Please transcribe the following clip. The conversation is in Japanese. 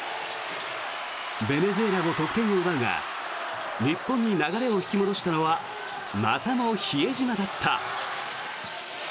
ベネズエラも得点を奪うが日本に流れを引き戻したのはまたも比江島だった。